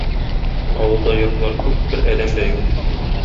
Авылда йортлар күп, бер адәм дә юк.